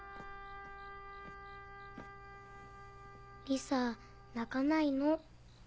リサ泣かないの。